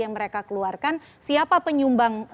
yang mereka keluarkan siapa penyumbang